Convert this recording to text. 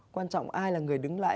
quan trọng ai là người đứng lại